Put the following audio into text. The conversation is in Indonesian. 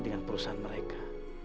dengan perusahaan mereka